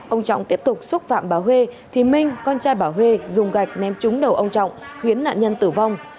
ông trọng tiếp tục xúc phạm bà huê thì minh con trai bảo huê dùng gạch ném trúng đầu ông trọng khiến nạn nhân tử vong